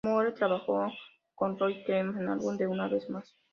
Moore trabajó con Lori McKenna en el álbum una vez más.